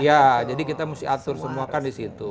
ya jadi kita harus atur semua kan di situ